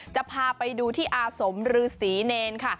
จะพาไปดูที่อาสมรือศรีเนนค่ะ